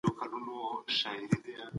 ښوونکي درس تنظيم کړ او تدريس سم روان سو.